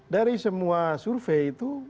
dari semua survei itu